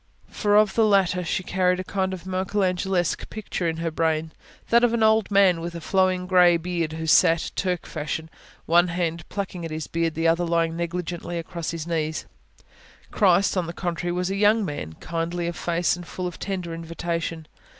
For of the latter she carried a kind of Michelangelesque picture in her brain: that of an old, old man with a flowing grey beard, who sat, Turk fashion, one hand plucking at this beard, the other lying negligently across His knees. Christ, on the contrary, was a young man, kindly of face, and full of tender invitation.